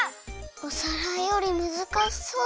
お皿よりむずかしそう。